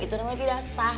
itu namanya tidak sah